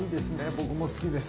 僕も好きです。